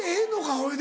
ほいで。